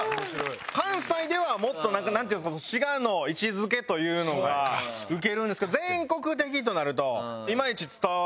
関西ではもっとなんていうんですか滋賀の位置づけというのがウケるんですけど。